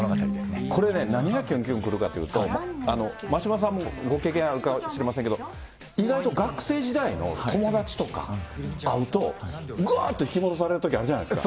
これね、何がきゅんきゅんくるかっていうと、眞島さんもご経験あるかもしりませんけど、意外と学生時代の友達とか会うと、ぐわーと引き戻されることあるじゃないですか。